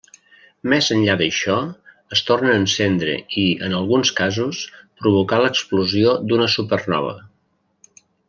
Més enllà d'això, es tornen a encendre i, en alguns casos, provocar l'explosió d'una supernova.